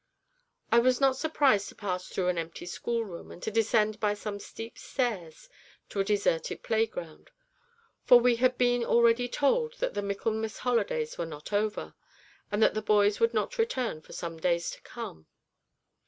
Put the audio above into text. I was not surprised to pass through an empty schoolroom, and to descend by some steep stairs to a deserted playground, for we had been already told that the Michaelmas holidays were not over, and that the boys would not return for some days to come.